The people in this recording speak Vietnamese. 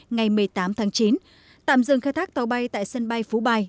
ngày một mươi tám tháng chín tạm dừng khai thác tàu bay tại sân bay phú bài